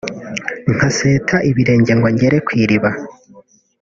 nkaseta ibirenge ngo ngere ku iriba